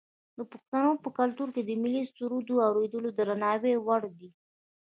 د پښتنو په کلتور کې د ملي سرود اوریدل د درناوي وړ دي.